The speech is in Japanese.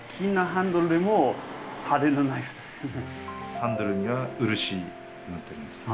ハンドルには漆を塗ってありますね。